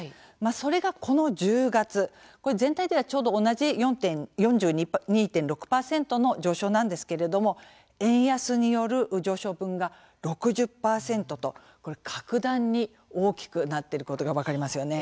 それがこの１０月、全体ではちょうど同じ４２．６％の上昇なんですけれども円安による上昇分が６０％と格段に大きくなっていることが分かりますよね。